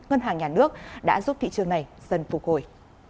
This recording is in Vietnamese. ngân hàng nhà nước đã giúp thị trường này dần phục hồi